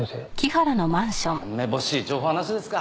めぼしい情報はなしですか。